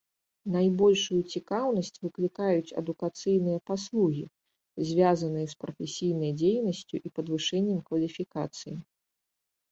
Найбольшую цікаўнасць выклікаюць адукацыйныя паслугі, звязаныя з прафесійнай дзейнасцю і падвышэннем кваліфікацыі.